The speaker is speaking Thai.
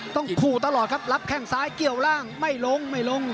ต้องคู่ตลอดครับรับแข้งซ้ายเกี่ยวล่างไม่ลงไม่ลง